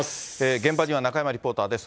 現場には中山リポーターです。